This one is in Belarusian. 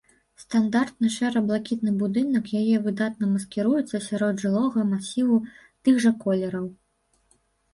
Стандартны шэра-блакітны будынак яе выдатна маскіруецца сярод жылога масіву тых жа колераў.